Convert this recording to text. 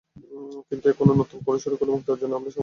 কিন্তু এখনো নতুন করে শুরু করলে মুক্তি অর্জনেও আমরা সফল হব।